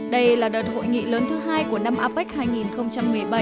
đây là đợt hội nghị lớn thứ hai của năm apec hai nghìn một mươi bảy